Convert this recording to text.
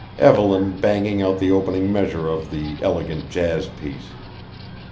Evelyn banging out the opening measures of the "elegant jazz piece."